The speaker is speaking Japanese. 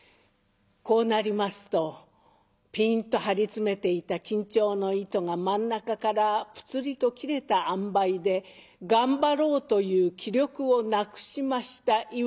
こうなりますとピンと張り詰めていた緊張の糸が真ん中からプツリと切れたあんばいで頑張ろうという気力をなくしました岩子。